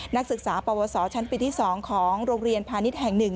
นักศึกษาปวสชั้นปีที่๒ของโรงเรียนพาณิชย์แห่ง๑